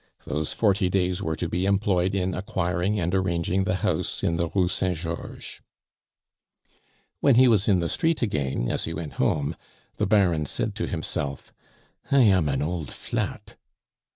Those forty days were to be employed in acquiring and arranging the house in the Rue Saint Georges. When he was in the street again, as he went home, the Baron said to himself, "I am an old flat."